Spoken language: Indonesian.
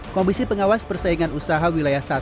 komisi pengawas persaingan usaha wilayah satu